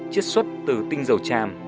chiết xuất từ tinh dầu chàm